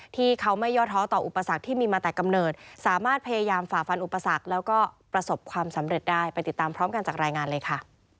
ที่เขาไม่ย่อท้อต่ออุปสรรคที่มีมาแต่กำเนิดสามารถพยายามฝ่าฟันอุปสรรคแล้วก็ประสบความสำเร็จได้ไปติดตามพร้อมกันจากรายงานเลยค่ะ